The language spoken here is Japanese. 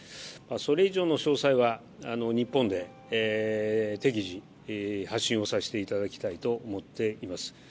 それ以上の詳細は日本で適時、発信をさせていただきたいと思っております。